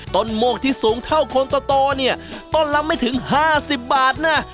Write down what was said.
โมกที่สูงเท่าคนโตเนี่ยต้นละไม่ถึง๕๐บาทนะ